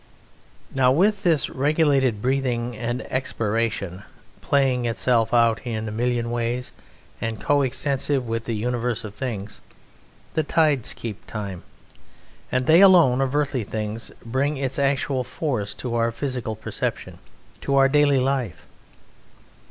Now with this regulated breathing and expiration, playing itself out in a million ways and co extensive with the universe of things, the tides keep time, and they alone of earthly things bring its actual force to our physical perception, to our daily life.